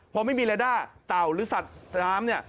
พอไม่มีเรด้าเต่าหรือสัตว์น้ำเนี่ย